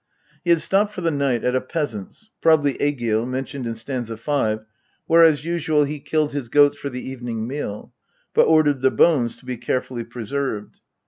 He had stopped for the night at a peasant's (probably Egil, mentioned in st. 5) where, as usual he killed his goats for the evening meal, but ordered the bones to be carefully preserved.